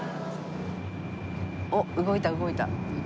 おっ動いた動いた。